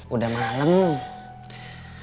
udah malem loh